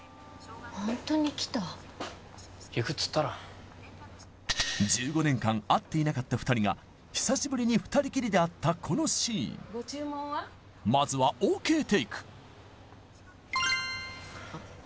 ホントに来た行くっつったろ１５年間会っていなかった２人が久しぶりに二人きりで会ったこのシーンまずはＯＫテイク